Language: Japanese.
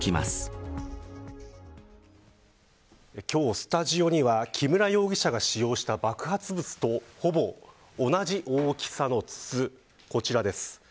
今日、スタジオには木村容疑者が使用した爆発物とほぼ同じ大きさの筒こちらです。